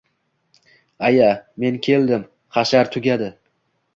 Aya, men keldim, hashar tugadi